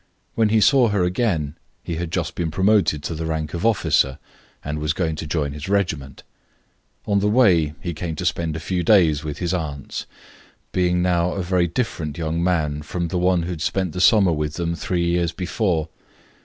When he saw her again he had just been promoted to the rank of officer and was going to join his regiment. On the way he came to spend a few days with his aunts, being now a very different young man from the one who had spent the summer with them three years before.